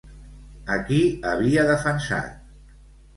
A qui havia defensat?